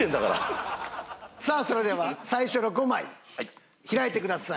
さあそれでは最初の５枚開いてください。